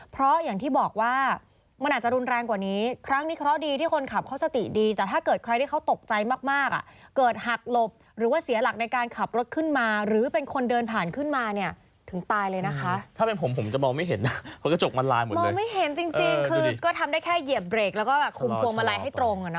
เพราะอย่างที่บอกว่ามันอาจจะลุนแรงกว่านี้